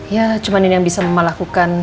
ya cuma ini yang bisa mama lakukan